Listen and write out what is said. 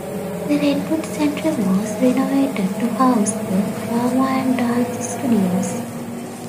The Redwood Centre was renovated to house the drama and dance studios.